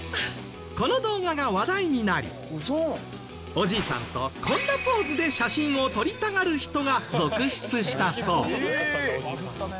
この動画が話題になりおじいさんとこんなポーズで写真を撮りたがる人が続出したそう。